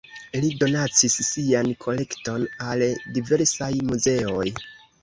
Li donacis sian kolekton al diversaj muzeoj.